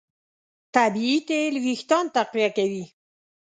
طبیعي تېل وېښتيان تقویه کوي.